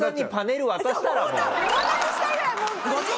お渡ししたいぐらいもうホントに。